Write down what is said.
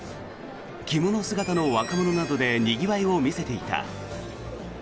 着物姿の若者などでにぎわいを見せていた。